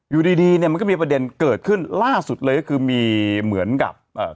อยู่ดีดีเนี้ยมันก็มีประเด็นเกิดขึ้นล่าสุดเลยก็คือมีเหมือนกับเอ่อ